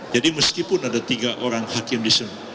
jadi meskipun ada tiga orang hakim disenuhkan